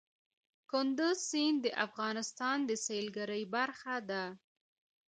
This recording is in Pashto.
کندز سیند د افغانستان د سیلګرۍ برخه ده.